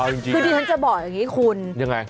คือที่ฉันจะบอกอย่างนี้คุณยังไง